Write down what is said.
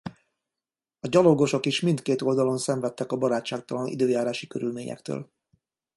A gyalogosok is mindkét oldalon szenvedtek a barátságtalan időjárási körülményektől.